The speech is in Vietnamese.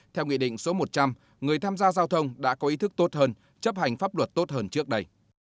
theo nghị định số một trăm linh người tham gia giao thông đã có ý thức tốt hơn chấp hành pháp luật tốt hơn trước đây